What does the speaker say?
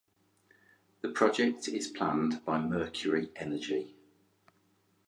The project is planned by Mercury Energy.